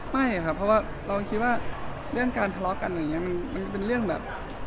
ไม่ครับเพราะว่าเราคิดว่าเรื่องการทะเลาะกันอย่างนี้มันเป็นเรื่องแบบ